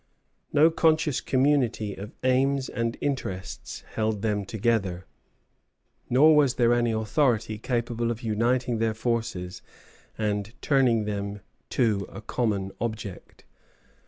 No conscious community of aims and interests held them together, nor was there any authority capable of uniting their forces and turning them to a common object.